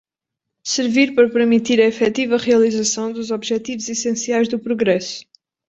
Servir para permitir a efetiva realização dos objetivos essenciais do progresso.